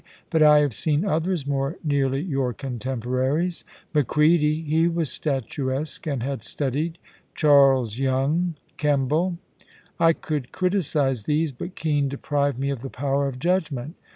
But I have seen others more nearly your contemporaries. Macready — he was statuesque, and had studied — Charles Young, Kemble. I could criticise these, but Kean deprived me of the power of judgment.